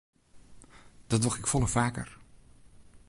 Dat doch ik folle faker.